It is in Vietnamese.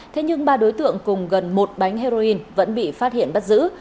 thế nhưng ba đối tượng cùng gần một bánh heroin vẫn bị phát hiện bắt giữ